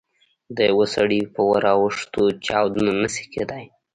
د یوه سړي په ور اوښتو چاودنه نه شي کېدای.